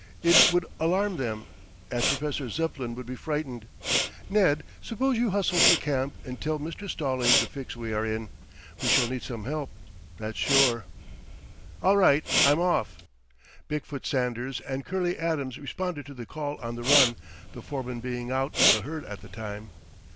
"It would alarm them, and Professor Zepplin would be frightened. Ned, suppose you hustle for camp and tell Mr. Stallings the fix we are in. We shall need some help, that's sure." "All right. I'm off." Big foot Sanders and Curley Adams responded to the call on the run, the foreman being out with the herd at the time.